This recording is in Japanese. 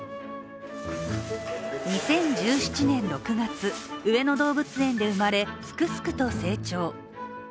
２０１７年６月、上野動物園で生まれすくすくと成長。